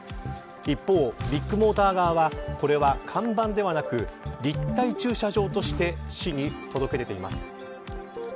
一方、ビッグモーター側はこれは看板ではなく立体駐車場として市に届け出ています。